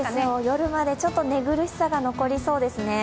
夜まで寝苦しさが残りそうですね。